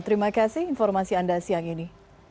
terima kasih informasi anda siang ini